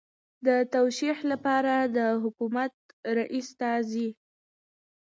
د توشیح لپاره د حکومت رئیس ته ځي.